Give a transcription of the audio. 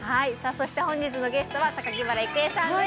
そして本日のゲストは榊原郁恵さんです